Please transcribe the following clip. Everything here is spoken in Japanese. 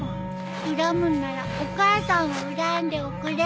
恨むんならお母さんを恨んでおくれ。